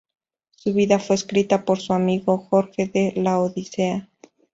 Su vida fue escrita por su amigo Jorge de Laodicea.